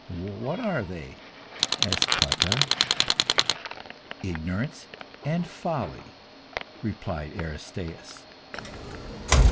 "What are they?" asked Cotta. "Ignorance and folly," replied Aristaeus.